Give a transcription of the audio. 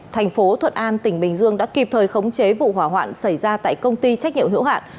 thành phố thuận an tỉnh bình dương đã kịp thời khống chế vụ hỏa hoạn xảy ra tại công ty trách nhiệm hữu hạn